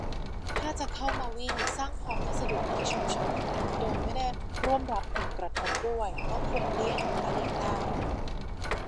ถ้าจะเข้ามาวิ่ง สร้างความไม่สะดวกให้ชุมชน โดยไม่ได้ร่วมรับผลกระทบด้วย ก็ควรเลี่ยงถ้าเลี่ยงได้